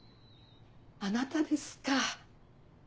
あなたですか。